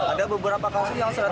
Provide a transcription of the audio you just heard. ada beberapa kasus yang seratus